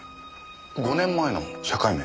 ５年前の社会面。